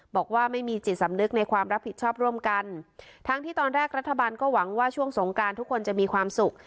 บอกว่าไม่มีจิตสำนึกในความรับผิดชอบร่วมกันทั้งที่ตอนแรกรัฐบาลก็หวังว่าช่วงสงการทุกคนจะมีความสุข